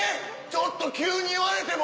ちょっと急に言われても。